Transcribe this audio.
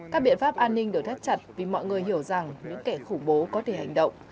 các biện pháp an ninh được thắt chặt vì mọi người hiểu rằng những kẻ khủng bố có thể hành động